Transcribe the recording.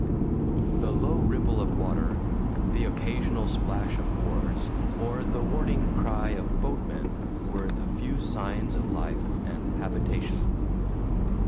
The low ripple of water, the occasional splash of oars, or the warning cry of boatmen were the few signs of life and habitation.